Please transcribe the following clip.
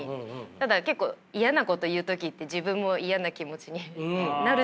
ただ結構嫌なこと言う時って自分も嫌な気持ちになるじゃないですか。